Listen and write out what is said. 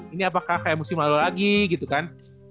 ini apakah kayak musim lalu lagi gitu kan